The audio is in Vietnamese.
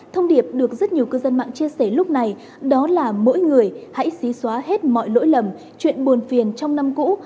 thông điệp được rất nhiều cư dân mạng chia sẻ lúc này đó là mỗi người hãy xí xóa hết mọi lỗi lầm chuyện buồn phiền trong năm cũ